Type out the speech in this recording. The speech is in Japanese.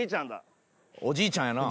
「おじいちゃんやな」